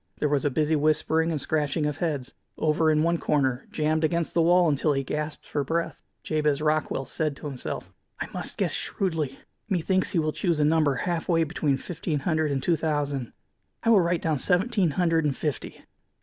There was a busy whispering and scratching of heads. Over in one corner, jammed against the wall until he gasped for breath, Jabez Rockwell said to himself: "I must guess shrewdly. Methinks he will choose a number half way between fifteen hundred and two thousand. I will write down seventeen hundred and fifty.